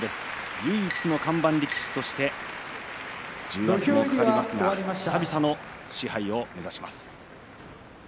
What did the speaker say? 唯一の看板力士として重圧もかかりますが久々の賜盃を目指します。